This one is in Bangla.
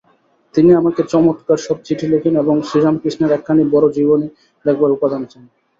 তিনি আমাকে চমৎকার সব চিঠি লেখেন এবং শ্রীরামকৃষ্ণের একখানি বড় জীবনী লেখবার উপাদান চান।